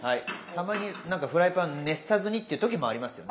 たまに何かフライパン熱さずにっていう時もありますよね。